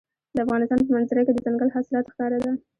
د افغانستان په منظره کې دځنګل حاصلات ښکاره ده.